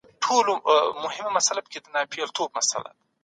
که خام مواد په هیواد کي پروسس سي ګټه به یې ډیره وي.